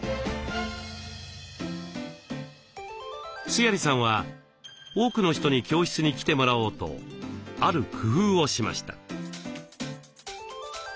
須鑓さんは多くの人に教室に来てもらおうとある工夫をしました。